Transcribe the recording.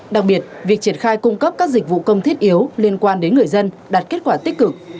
đặc biệt việc triển khai cung cấp các dịch vụ công thiết yếu liên quan đến người dân đạt kết quả tích cực